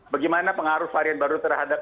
bagaimana pengaruh varian baru terhadap